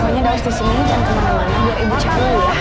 pokoknya harus disini jangan kemana mana biar ibu cek dulu ya